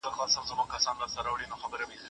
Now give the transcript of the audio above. هغه څېړونکی چې بې طرفه وي بریالی کیږي.